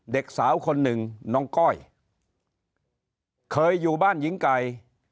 เด็กสาวคนหนึ่งน้องก้อยเคยอยู่บ้านหญิงไก่